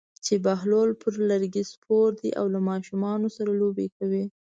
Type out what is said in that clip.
چې بهلول پر لرګي سپور دی او له ماشومانو سره لوبې کوي.